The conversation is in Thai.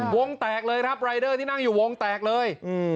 วงแตกเลยครับรายเดอร์ที่นั่งอยู่วงแตกเลย